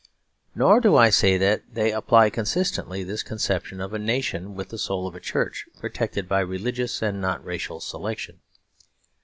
Nor do I say that they apply consistently this conception of a nation with the soul of a church, protected by religious and not racial selection.